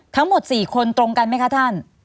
ทั้งหมด๔คนตรงกันไหมคะท่าน